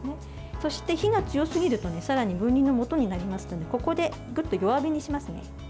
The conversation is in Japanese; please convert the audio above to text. そして火が強すぎるとさらに分離のもとになりますのでここでぐっと弱火にします。